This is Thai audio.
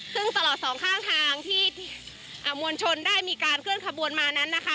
ซึ่งตลอดสองข้างทางที่มวลชนได้มีการเคลื่อนขบวนมานั้นนะคะ